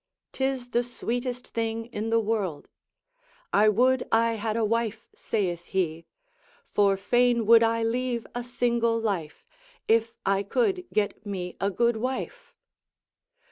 'Tis the sweetest thing in the world, I would I had a wife saith he, For fain would I leave a single life, If I could get me a good wife.